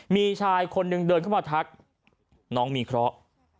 มีชายคนหนึ่งเดินเข้ามาทักน้องมีเคราะห์